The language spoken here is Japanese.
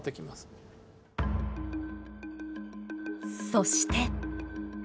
そして。